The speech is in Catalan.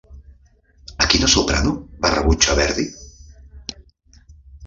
A quina soprano va rebutjar Verdi?